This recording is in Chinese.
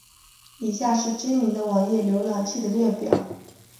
以下是知名的网页浏览器的列表。